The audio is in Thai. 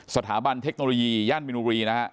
สถาบันเทคโนโลยีย่านมินบุรีนะฮะ